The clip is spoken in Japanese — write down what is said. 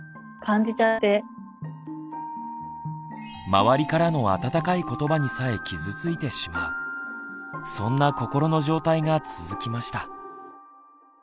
周りからの温かい言葉にさえ傷ついてしまうそんな心の状態が続きました。